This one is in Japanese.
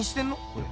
これ。